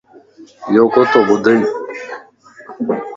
يو ڪوتو ٻڌئي